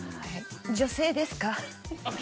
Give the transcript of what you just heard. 女性ですか？